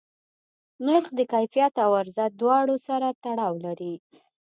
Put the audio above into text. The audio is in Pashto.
نرخ د کیفیت او عرضه دواړو سره تړاو لري.